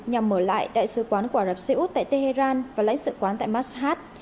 nhằm mở lại đại sứ quán của ả rập xê út tại tehran và lãnh sự quán tại mashat